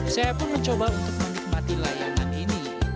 saya pun mencoba untuk menikmati layanan ini